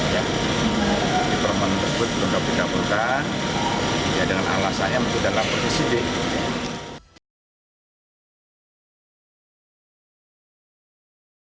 jadi permohonan tersebut belum dapat ditaburkan dengan alasannya memudahkan proses penyidik